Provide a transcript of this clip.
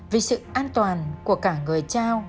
vì sự an toàn của cả người trao